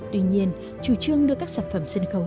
tuy nhiên chủ trương đưa các sản phẩm sân khấu